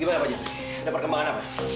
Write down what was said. gimana pak jeffrey dapat kembangannya pak